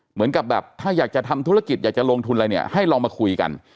เหมือนกับแบบถ้าอยากจะทำธุรกิจอยากจะลงทุนอะไรเนี่ยให้ลองมาคุยกัน